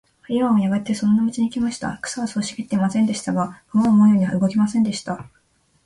イワンはやがてその沼地へ来ました。草はそう茂ってはいませんでした。が、鎌は思うように動きませんでした。